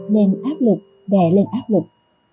nên áp lực đè lên áp lực